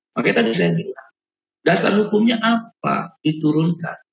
makanya tadi saya bilang dasar hukumnya apa diturunkan